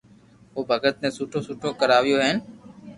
او بگت ني سٺو سٺو کراويو ھين